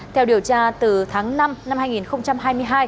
theo điều tra từ tháng năm năm hai nghìn hai mươi hai